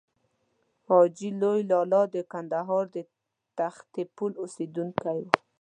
حاجي لوی لالا د کندهار د تختې پل اوسېدونکی و.